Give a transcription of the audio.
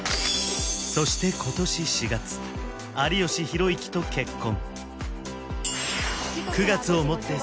そして今年４月有吉弘行と結婚